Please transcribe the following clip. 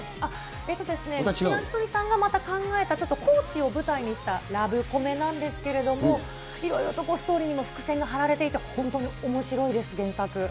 えっとですね、劇団ひとりさんがまた考えた、ちょっと高知を舞台にしたラブコメなんですけれども、いろいろとストーリーにも伏線が張られていて、おもしろいです、原作。